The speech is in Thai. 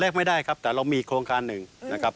ไม่ได้ครับแต่เรามีโครงการหนึ่งนะครับ